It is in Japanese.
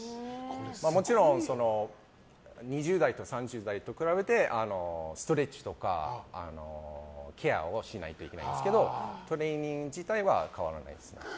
もちろん２０代と３０代と比べてストレッチとかケアをしないといけないんですがトレーニング自体は変わらないですね。